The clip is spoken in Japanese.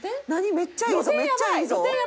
「めっちゃいいぞ！」